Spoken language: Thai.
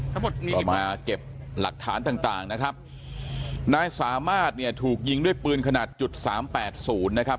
เรามาเก็บหลักฐานต่างนะครับนายสามารถถูกยิงด้วยปืนขนาด๓๘๐นะครับ